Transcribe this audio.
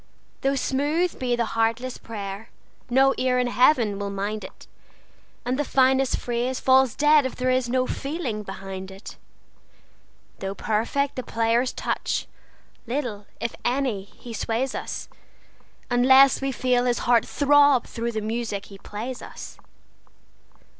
Though smooth be the heartless prayer, no ear in Heaven will mind it, And the finest phrase falls dead if there is no feeling behind it. Though perfect the player's touch, little, if any, he sways us, Unless we feel his heart throb through the music he plays us.